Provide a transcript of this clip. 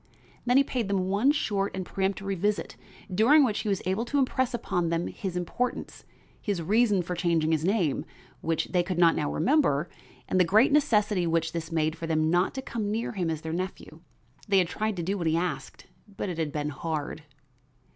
Then he paid them one short and peremptory visit, during which he was able to impress upon them his importance, his reasons for changing his name, which they could not now remember, and the great necessity which this made for them not to come near him as their nephew. They had tried to do what he asked, but it had been hard.